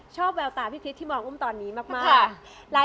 แววตาพี่คริสที่มองอุ้มตอนนี้มาก